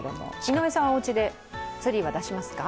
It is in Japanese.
井上さん、おうちでツリーは出しますか？